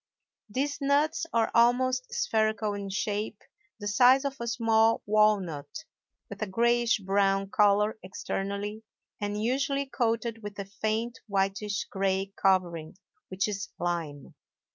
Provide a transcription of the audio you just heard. These nuts are almost spherical in shape, the size of a small walnut, of a grayish brown color externally, and usually coated with a faint whitish gray covering (which is lime).